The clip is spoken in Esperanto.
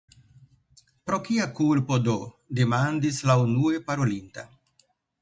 "Pro kia kulpo do?" demandis la unue parolinta.